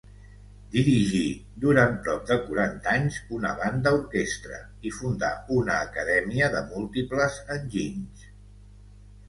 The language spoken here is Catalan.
Dirigí durant prop de quaranta anys una banda-orquestra i fundà una acadèmia de múltiples enginys.